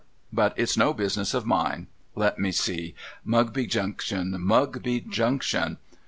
But it's no business of mine. Let me see. Mugby Junction, Mugby Junction.